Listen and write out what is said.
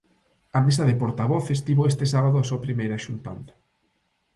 A mesa de portavoces tivo este sábado a súa primeira xuntanza.